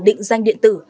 định danh điện tử